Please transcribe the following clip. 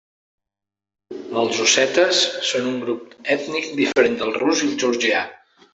Els ossetes són un grup ètnic diferent del rus i el georgià.